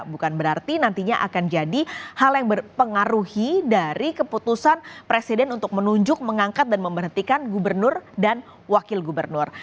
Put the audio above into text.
bukan berarti nantinya akan jadi hal yang berpengaruhi dari keputusan presiden untuk menunjuk mengangkat dan memberhentikan gubernur dan wakil gubernur